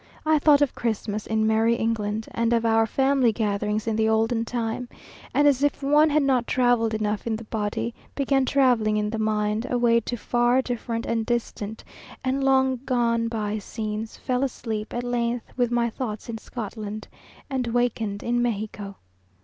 I thought of Christmas in "Merrie England," and of our family gatherings in the olden time, and as if one had not travelled enough in the body, began travelling in the mind, away to far different, and distant, and long gone by scenes, fell asleep at length with my thoughts in Scotland, and wakened in Mexico!